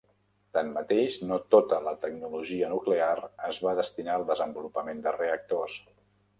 Tanmateix, no tota la tecnologia nuclear es va destinar al desenvolupament de reactors.